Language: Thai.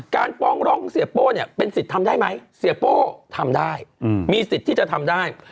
ฟ้องร้องของเสียโป้เนี่ยเป็นสิทธิ์ทำได้ไหมเสียโป้ทำได้มีสิทธิ์ที่จะทำได้